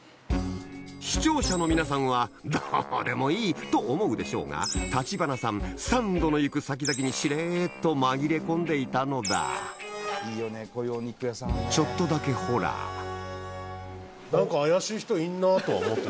視聴者の皆さんはどうでもいいと思うでしょうが立花さんサンドの行く先々にしれっと紛れ込んでいたのだちょっとだけホラー何か怪しい人いるなとは。